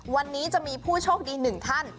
วันนี้จะมีผู้โชคดีหนึ่งท่าน